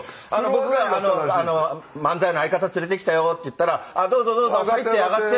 僕が「漫才の相方連れてきたよ」って言ったら「どうぞどうぞ。入って。